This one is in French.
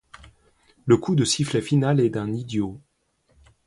Le coup de sifflet final est d'un idiot.